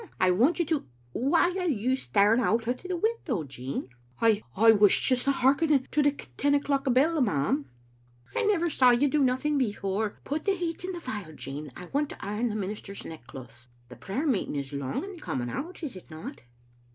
I want you to — Why are you staring out at the window, Jean?" " I — I was just hearkening to the ten o'clock bell, ma'am." "I never saw you doing nothing before! Put the heater in the fire, Jean. I want to iron the minister's neckcloths. The prayer meeting is long in coming out, is it not?"